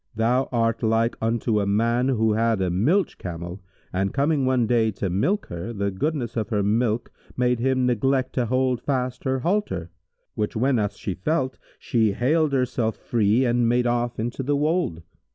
Thou art like unto a man who had a milch camel and, coming one day to milk her, the goodness of her milk made him neglect to hold fast her halter; which whenas she felt, she haled herself free and made off into the wold.